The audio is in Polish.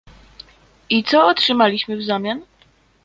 I co otrzymaliśmy w zamian?